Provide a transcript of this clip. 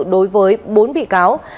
đối với bốn bị cáo